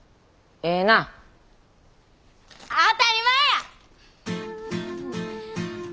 当たり前や！